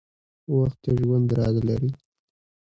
• وخت د ژوند راز لري.